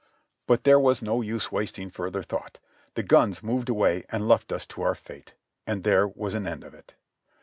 But there was no use wasting further thought, the guns moved away and left us to our fate ; and there was an end of it.